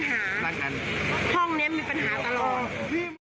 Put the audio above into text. แต่ว่าอันนี้ทำงาน๕วันหยุดวันนึง